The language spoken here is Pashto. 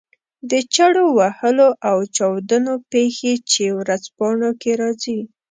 د چړو وهلو او چاودنو پېښې چې ورځپاڼو کې راځي.